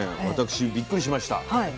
私びっくりしました。